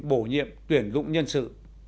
bổ nhiệm tuyển dụng nhân sự